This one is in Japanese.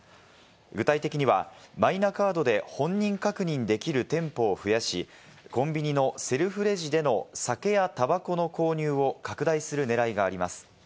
具体的にはマイナカードで本人確認できる店舗を増やし、コンビニのセルフレジでの酒やたばこの購入を拡大する狙いがあります。